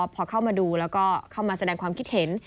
พอเข้ามาดูแล้วก็เข้ามาแสดงความคิดเห็น